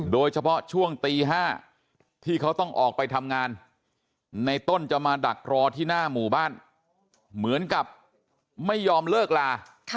โดยเฉพาะช่วงตี๕ที่เขาต้องออกไปทำงานในต้นจะมาดักรอที่หน้าหมู่บ้านเหมือนกับไม่ยอมเลิกลา